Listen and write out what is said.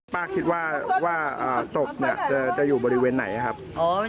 ป้าคิดว่าศพเนี่ยจะอยู่บริเวณไหนครับ